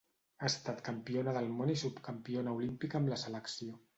Ha estat campiona del món i subcampiona olímpica amb la selecció.